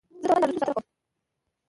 زه د وطن د ارزښتونو ساتنه کوم.